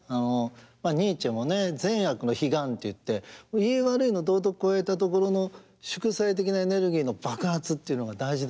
ニーチェもね「善悪の彼岸」っていっていい悪いの道徳超えたところの祝祭的なエネルギーの爆発っていうのが大事だって。